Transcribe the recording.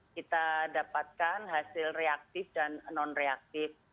kita dapatkan hasil reaktif dan non reaktif